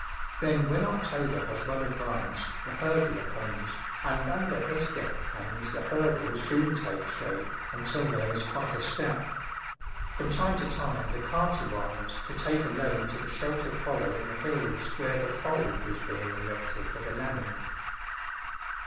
Then when October has well advanced the hurdler comes, and under his deft hands the hurdles soon take shape until there is quite a stack. From time to time the cart arrives to take a load to the sheltered hollow in the hills where the fold is being erected for the lambing.